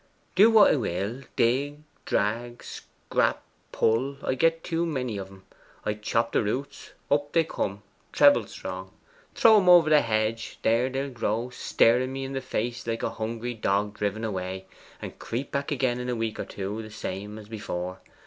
Do what I will, dig, drag, scrap, pull, I get too many of 'em. I chop the roots: up they'll come, treble strong. Throw 'em over hedge; there they'll grow, staring me in the face like a hungry dog driven away, and creep back again in a week or two the same as before.